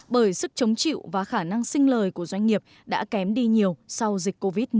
bởi sức chống chịu và khả năng sinh lời của doanh nghiệp đã kém đi nhiều sau dịch covid một mươi chín